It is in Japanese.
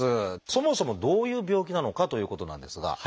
そもそもどういう病気なのかということなんですが。